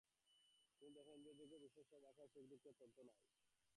তিনি দেখেন, ইন্দ্রিয়গ্রাহ্য বিষয়গুলি সব অসার, এবং সুখ-দুঃখের অন্ত নাই।